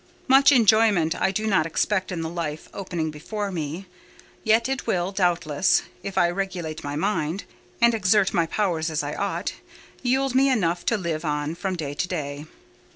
Much enjoyment I do not expect in the life opening before me: yet it will, doubtless, if I regulate my mind, and exert my powers as I ought, yield me enough to live on from day to day.